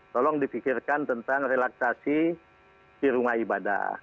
tolong dipikirkan tentang relaksasi di rumah ibadah